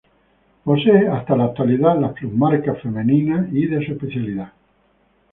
Posee, hasta la actualidad, las plusmarcas femeninas y de su especialidad.